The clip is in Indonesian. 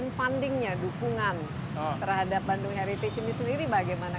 dan funding nya dukungan terhadap bandung heritage ini sendiri bagaimana